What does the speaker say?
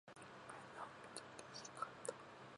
ミニオンが見たくて家に帰った